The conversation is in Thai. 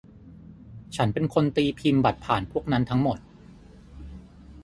ฉันเป็นคนตีพิมพ์บัตรผ่านพวกนั้นทั้งหมด